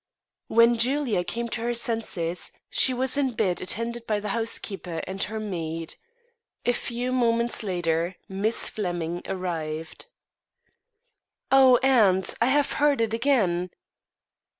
When Julia came to her senses, she was in bed attended by the housekeeper and her maid. A few moments later Miss Flemming arrived. "Oh, aunt! I have heard it again."